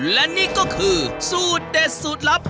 และนี่ก็คือสูตรเด็ดสูตรลับ